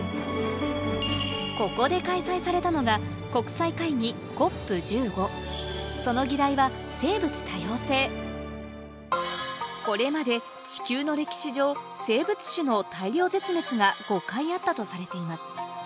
ここで開催されたのがその議題はこれまで地球の歴史上生物種の大量絶滅が５回あったとされています